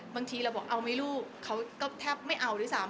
บางทีเราบอกเอาไหมลูกเขาก็แทบไม่เอาด้วยซ้ำ